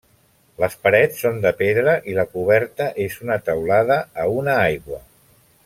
Les parets són de pedra i la coberta és una teulada a una aigua.